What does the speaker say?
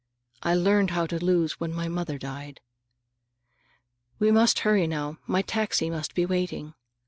I learned how to lose when my mother died.—We must hurry now. My taxi must be waiting."